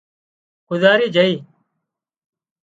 گذاري جھئي